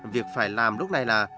việc phải làm lúc này là